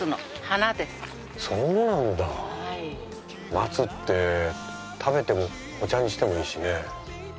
松って食べてもお茶にしてもいいしね。